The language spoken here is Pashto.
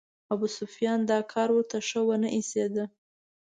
ابوسفیان دا کار ورته شه ونه ایسېده.